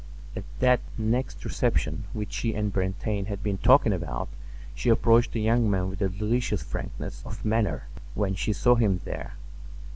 At that next reception which she and Brantain had been talking about she approached the young man with a delicious frankness of manner when she saw him there.